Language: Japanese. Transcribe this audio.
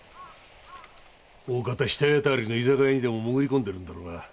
おおかた下谷辺りの居酒屋にでも潜り込んでるんだろうが。